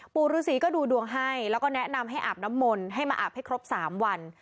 ปู่ฤษีก็ดูดวงให้แล้วก็แนะนำให้อาบน้ำมนต์ให้มาอาบให้ครบ๓วัน